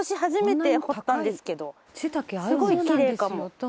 すごいきれいかも。